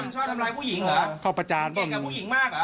มันชอบทำร้ายผู้หญิงหรือมึงเก่งกับผู้หญิงมากหรือ